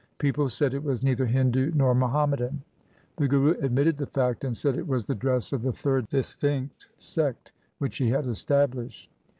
People said it was neither Hindu nor Muhammadan. The Guru admitted the fact, and said it was the dress of the third distinct sect which he had established.